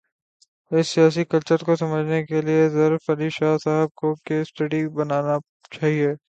اس سیاسی کلچر کو سمجھنے کے لیے، ظفر علی شاہ صاحب کو "کیس سٹڈی" بنا نا چاہیے۔